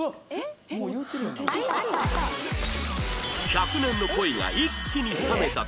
１００年の恋が一気に冷めた彼の言葉